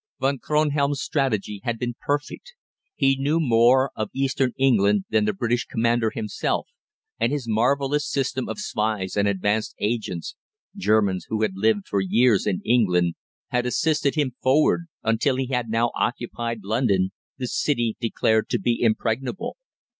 Von Kronhelm's strategy had been perfect. He knew more of Eastern England than the British Commander himself, and his marvellous system of spies and advance agents Germans who had lived for years in England had assisted him forward, until he had now occupied London, the city declared to be impregnable.